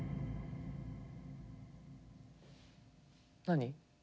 何？